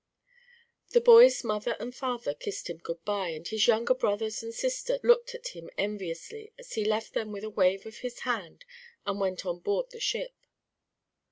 The boy's mother and father kissed him good bye, and his younger brothers and sister looked at him enviously as he left them with a wave of his hand and went on board the ship.